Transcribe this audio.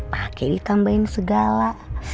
pak kewi tambahin segala